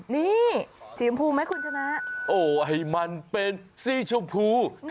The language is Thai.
นี่สีชมพูไหมคุณชนะโอ้ให้มันเป็นสีชมพู